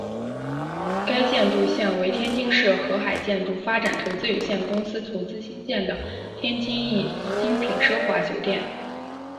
该建筑现为天津市海河建设发展投资有限公司投资兴建的天津易精品奢华酒店。